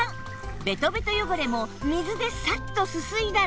ベトベト汚れも水でサッとすすいだら